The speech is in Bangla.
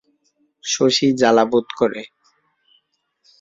শশী জ্বালা বোধ করে।